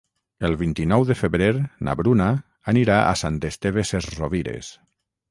El vint-i-nou de febrer na Bruna anirà a Sant Esteve Sesrovires.